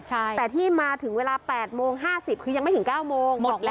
แต่ที่มาถึงเวลา๘โมง๕๐คือยังไม่ถึง๙โมงบอกแล้ว